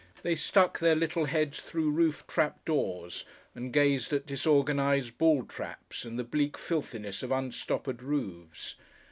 They stuck their little heads through roof trap doors and gazed at disorganised ball taps, at the bleak filthiness of unstoppered roofs.